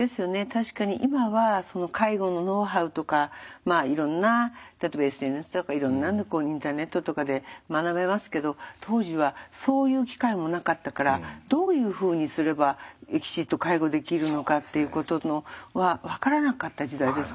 確かに今は介護のノウハウとかいろんな例えばＳＮＳとかいろんなのでインターネットとかで学べますけど当時はそういう機会もなかったからどういうふうにすればきちっと介護できるのかっていうことは分からなかった時代ですもんね。